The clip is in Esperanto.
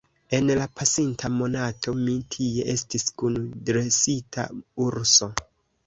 En la pasinta monato mi tie estis kun dresita urso.